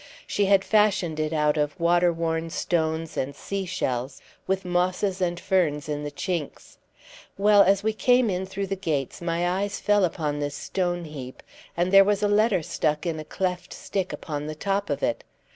She had fashioned it out of water worn stones and sea shells, with mosses and ferns in the chinks. Well, as we came in through the gates my eyes fell upon this stone heap, and there was a letter stuck in a cleft stick upon the top of it.